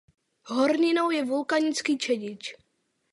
Horninou je vulkanický čedič.